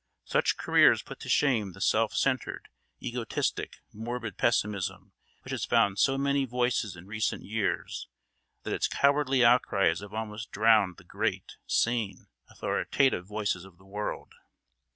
Such careers put to shame the self centred, egotistic, morbid pessimism which has found so many voices in recent years that its cowardly outcries have almost drowned the great, sane, authoritative voices of the world.